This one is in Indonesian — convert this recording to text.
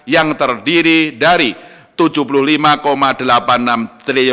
yang terdiri dari rp tujuh puluh lima delapan puluh enam triliun